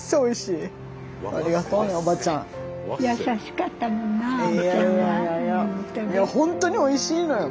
いや本当においしいのよ